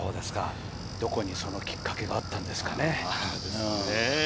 どこにそのきっかけがあったんですかね？